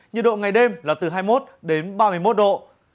nhiệt độ ngày đêm là từ hai mươi một đến ba mươi một độ